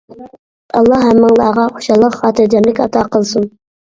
ئاللا ھەممىڭلارغا خۇشاللىق خاتىرجەملىك ئاتا قىلسۇن.